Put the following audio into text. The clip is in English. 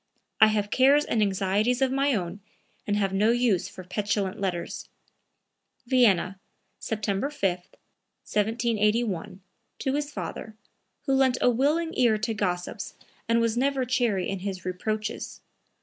I have cares and anxieties of my own and have no use for petulant letters." (Vienna, September 5, 1781, to his father, who lent a willing ear to gossips and was never chary of his reproaches.